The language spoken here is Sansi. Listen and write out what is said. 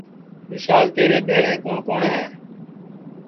وشال تیرے بھیݪے کُوٹؔ کُوٹؔ ہے